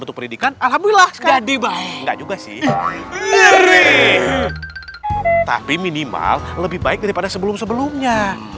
untuk pendidikan alhamdulillah jadi baik enggak juga sih tapi minimal lebih baik daripada sebelum sebelumnya